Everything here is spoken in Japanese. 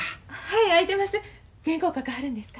はい空いてます。